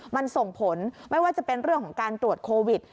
มันส่งผลไม่ว่าจะเป็นเรื่องของการตรวจโควิด